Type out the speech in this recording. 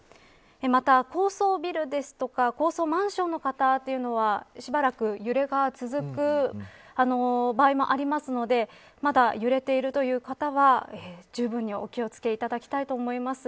また、高層ビルですとか高層マンションの方というのはしばらく揺れが続く場合もありますのでまだ、揺れているという方はじゅうぶんにお気を付けいただきたいと思います。